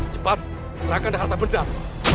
cepat serahkan harta bedah